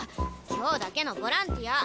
今日だけのボランティア。